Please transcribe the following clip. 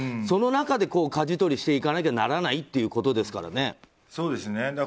その中でかじ取りしていかなきゃならないということですからね。